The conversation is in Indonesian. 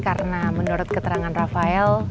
karena menurut keterangan rafael